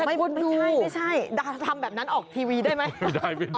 ไม่ใช่ทำแบบนั้นออกทีวีได้ไหม